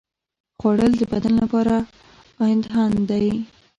خوړل د بدن لپاره ایندھن دی